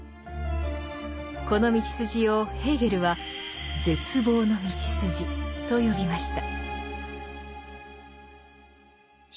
この道筋をヘーゲルは「絶望のみちすじ」と呼びました。